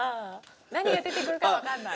何が出てくるかわかんない。